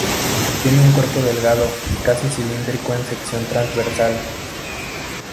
Tienen el cuerpo delgado y casi cilíndrico en sección transversal.